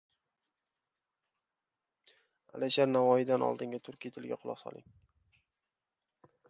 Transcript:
Alisher Navoiydan oldingi turkiy tilga quloq soling: